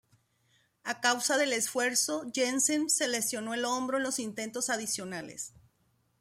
A causa del esfuerzo, Jensen se lesionó el hombro en los intentos adicionales.